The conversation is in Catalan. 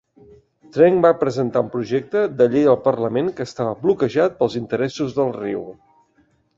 Trench va presentar un projecte de llei al Parlament que estava bloquejat pels interessos del riu.